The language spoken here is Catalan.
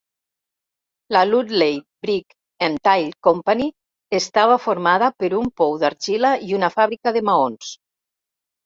La Ludlay Brick and Tile Company estava formada per un pou d'argila i una fàbrica de maons.